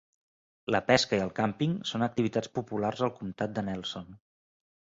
La pesca i el càmping són activitats populars al comtat de Nelson.